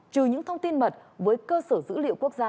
trừ những thông tin mật với cơ sở dữ liệu quốc gia